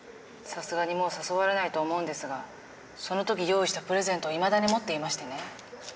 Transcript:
さすがにもう誘われないと思うんですがその時用意したプレゼントをいまだに持っていましてね。